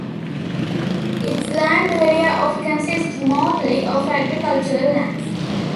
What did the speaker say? Its land area of consists mostly of agricultural lands.